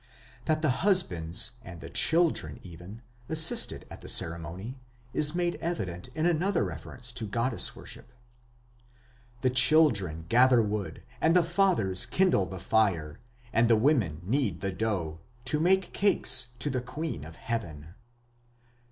" That the husbands, and the children even, assisted at the ceremony is made evident in another reference to goddess worship: "The children gather wood, and the fathers kindle the fire, and the women knead the dough, to make cakes to the queen of heaven".